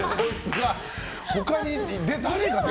他に誰が。